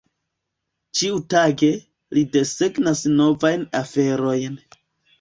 Ĉiutage, ri desegnas novajn aferojn.